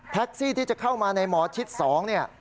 แท็กซี่ที่จะเข้ามาในหมอชิด๒เนี่ย